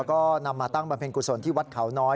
ก็นำมาตั้งบำเพ็ญกุศลที่วัดเขาน้อย